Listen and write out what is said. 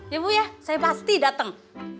ya bu ya saya pasti datang